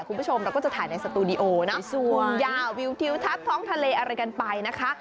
คุณผู้ชมเราก็จะถ่ายในสตูดิโอนะสูงยาววิวทิวทัศน์ท้องทะเลอะไรกันไปนะคะ